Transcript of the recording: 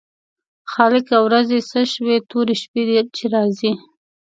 خالقه ورځې څه شوې تورې شپې دي چې راځي.